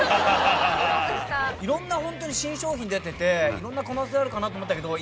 いろんなホントに新商品出てていろんな可能性あるかなと思ったけど。